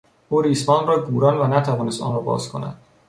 او ریسمان را گوراند و نتوانست آن را باز کند.